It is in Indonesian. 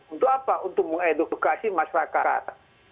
untuk apa untuk mengedukasi masyarakat